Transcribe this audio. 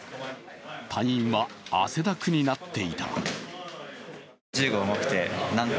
隊員は汗だくになっていた。